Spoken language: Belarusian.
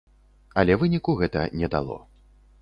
Але выніку гэта не дало.